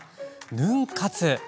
ヌン活。